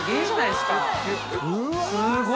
すごい！